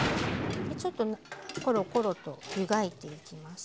ちょっとコロコロと湯がいていきます。